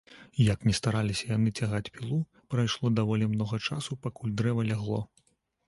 Як ні стараліся яны цягаць пілу, прайшло даволі многа часу, пакуль дрэва лягло.